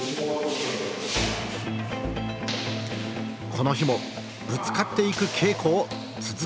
この日もぶつかっていく稽古を続けていた。